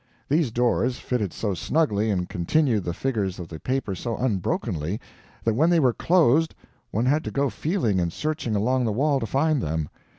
These doors fitted so snugly and continued the figures of the paper so unbrokenly, that when they were closed one had to go feeling and searching along the wall to find them.